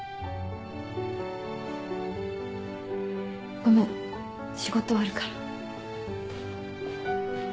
ごめん仕事あるから。